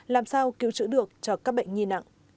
làm sao cứu trữ được cho các bệnh nhi nặng